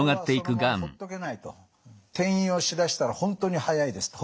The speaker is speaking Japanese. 転移をしだしたら本当に速いですと。